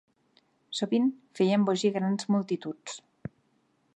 Sovint feia embogir grans multituds.